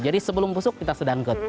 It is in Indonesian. jadi sebelum busuk kita sudah angkut